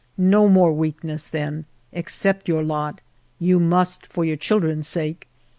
No more weakness, then ! Accept your lot ! You must for your children's sake.